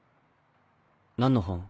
何の本？